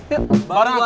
eh bisa bertingga